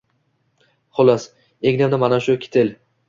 Xullas, egnimda mana shu kitel